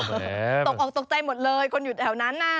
ตกออกตกใจหมดเลยคนอยู่แถวนั้นน่ะ